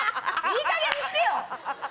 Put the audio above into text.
いいかげんにしてよ！